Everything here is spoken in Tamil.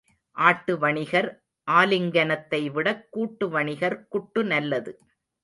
ஆட்டு வாணிகர் ஆலிங்கனத்தைவிடக் கூட்டு வாணிகர் குட்டு நல்லது.